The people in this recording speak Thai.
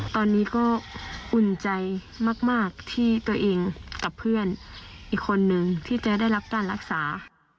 ตอนนี้ก็อุ่นใจมากที่ตัวเองกับเพื่อนอีกคนนึงที่จะได้รับการรักษา